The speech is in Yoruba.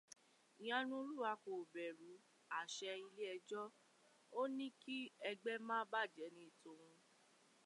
Ìyanulolúwa kò bẹ̀rù àṣẹ ilé ẹjọ́, ó ní kí ẹgbẹ́ má bàjẹ́ ni tòun